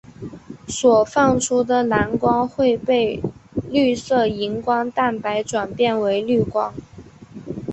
所放出的蓝光会被绿色荧光蛋白转变为绿光。